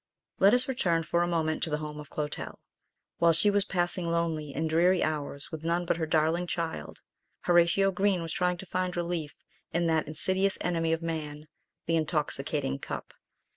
LET us return for a moment to the home of Clotel. While she was passing lonely and dreary hours with none but her darling child, Horatio Green was trying to find relief in that insidious enemy of man, the intoxicating cup.